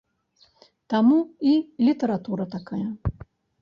Таму і літаратура такая.